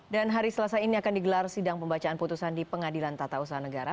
dan hari selesai ini akan digelar sidang pembacaan putusan di pengadilan tata usaha negara